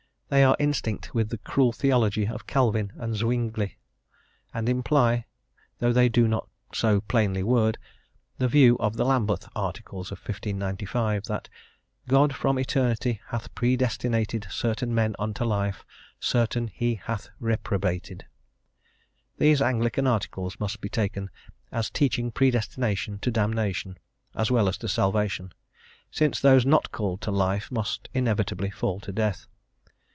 They are instinct with the cruel theology of Calvin and of Zwingli, and imply (though they do not so plainly word) the view of the Lambeth Articles of 1595, that "God from eternity hath predestinated certain men unto life; certain he hath reprobated." These Anglican Articles must be taken as teaching predestination to damnation as well as to salvation, since those not called to life must inevitably fall to death.